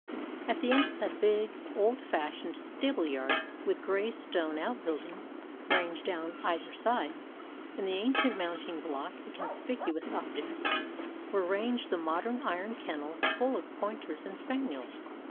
At the end of the big, old fashioned stable yard, with grey stone outbuildings ranged down either side, and the ancient mounting block a conspicuous object, were ranged the modern iron kennels full of pointers and spaniels.